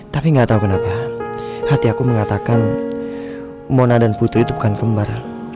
tapi gak tahu kenapa hati aku mengatakan mona dan putri itu bukan kembar